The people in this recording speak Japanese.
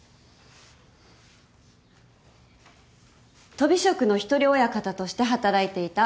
とび職の一人親方として働いていた男性Ａ